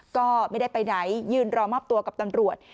ก็ไม่ได้ไปไหนยืนรอมอบตัวกับตำรวจ